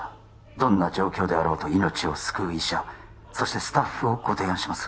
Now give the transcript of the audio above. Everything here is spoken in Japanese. どんな状況であろうと命を救う医者そしてスタッフをご提案します